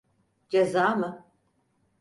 Ceza mı?